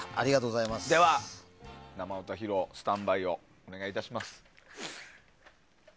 では、生歌披露スタンバイをお願いします。